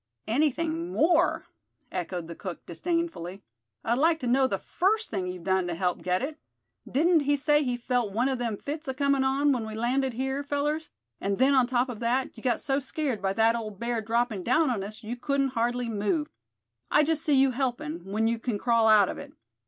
"Anything more?" echoed the cook, disdainfully; "I'd like to know the first thing you've done to help get it. Didn't he say he felt one of them fits acomin' on when we landed here, fellers; and then on top of that, you got so scared by that old bear dropping down on us, you couldn't hardly move. I just see you helpin', when you c'n crawl out of it.